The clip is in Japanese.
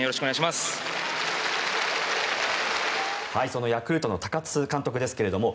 そのヤクルトの高津監督ですけれども